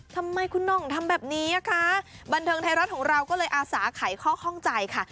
ทำไมคุณหน่องทำแบบนี้คะบันเทิงไทยรัฐของเราก็เลยอาสาไขข้อข้องใจค่ะ